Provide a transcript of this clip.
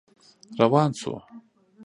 روان شو.